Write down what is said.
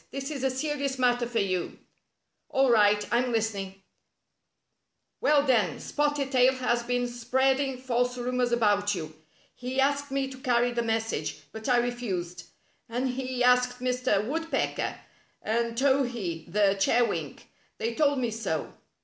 This is a serious matter for you." " AU right, I'm listening." " Well, then. Spotted Tail has been spreading Rusty Warns Bumper 77 false rumors about you. He asked me to carry the message, but I refused, and he asked Mr. W^oodpecker and Towhee the Chewink. They told me so.